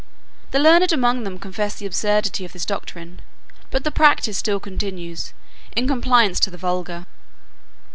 The learned among them confess the absurdity of this doctrine; but the practice still continues, in compliance to the vulgar.